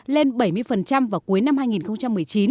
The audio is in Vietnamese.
lên bảy mươi vào cuối năm hai nghìn một mươi chín